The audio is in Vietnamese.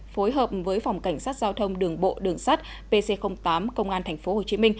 phối hợp với phòng cảnh sát giao thông đường bộ đường sắt pc tám công an tp hcm